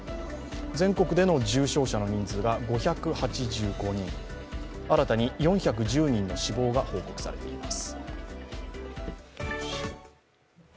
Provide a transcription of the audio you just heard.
全国での重症者の人数が５８５人、新たに４１０人の死亡が報告されています。